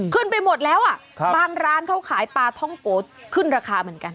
ขึ้นไปหมดแล้วอ่ะบางร้านเขาขายปลาท่องโกะขึ้นราคาเหมือนกัน